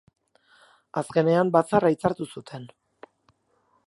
Azkenean, batzarra hitzartu zuten.